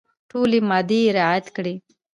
ټولي مادې رعیات کړي.